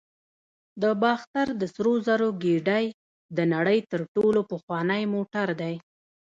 د باختر د سرو زرو ګېډۍ د نړۍ تر ټولو پخوانی موټر دی